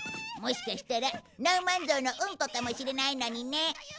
もしかしたらナウマンゾウのうんこかもしれないのにね！